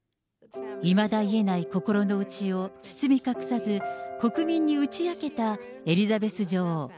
いまだ癒えない心の内を、包み隠さず国民に打ち明けたエリザベス女王。